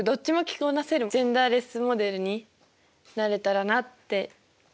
こなせるジェンダーレスモデルになれたらなって思っています。